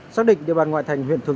xác định địa bàn ngoại thành huyện thuận